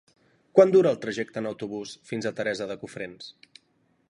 Quant dura el trajecte en autobús fins a Teresa de Cofrents?